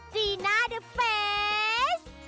จีน่าเดอร์เฟส